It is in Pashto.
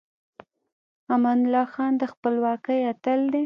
امان الله خان د خپلواکۍ اتل دی.